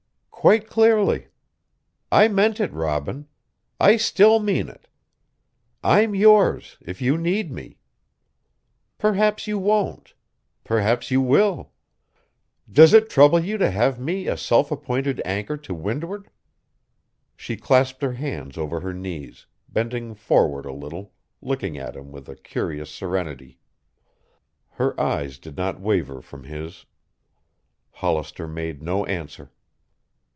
"Quite clearly. I meant it, Robin. I still mean it. I'm yours if you need me. Perhaps you won't. Perhaps you will. Does it trouble you to have me a self appointed anchor to windward?" She clasped her hands over her knees, bending forward a little, looking at him with a curious serenity. Her eyes did not waver from his. Hollister made no answer.